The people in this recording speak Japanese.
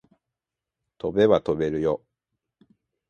飛べば飛べるよ